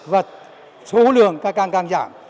và số lượng càng càng giảm